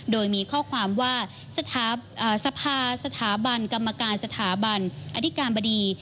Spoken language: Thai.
โดยมีข้อความว่าสภาสถาบันกรรมการสถาบันอธิการบดี